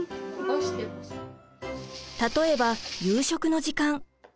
例えば夕食の時間。